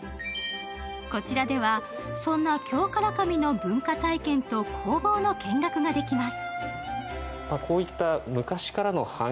こちらでは、そんな京唐紙の文化体験と工房の見学ができます。